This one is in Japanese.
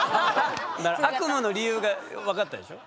悪夢の理由が分かったでしょ？